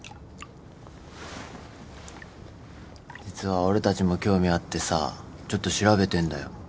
実は俺たちも興味あってさちょっと調べてんだよ。